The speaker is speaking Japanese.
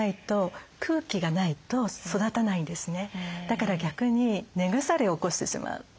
だから逆に根腐れを起こしてしまう。